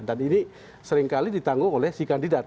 dan ini seringkali ditanggung oleh si kandidat